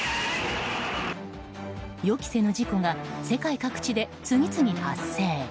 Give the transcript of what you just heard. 予期せぬ事故が世界各地で次々発生。